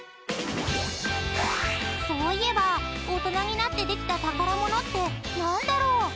［そういえば大人になってできた宝物って何だろう？］